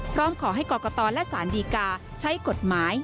พร้อมขอให้กรกตและสารดีกาใช้กฎหมาย